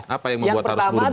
apa yang membuat harus buru buru